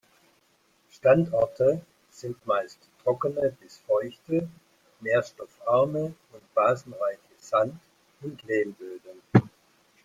Standorte sind meist trockene bis feuchte, nährstoffarme und basenreiche Sand- und Lehmböden.